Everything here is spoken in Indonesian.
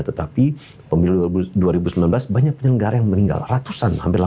tetapi pemilu dua ribu sembilan belas banyak penyelenggara yang meninggal ratusan hampir